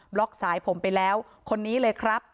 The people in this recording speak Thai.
ล็อกสายผมไปแล้วคนนี้เลยครับ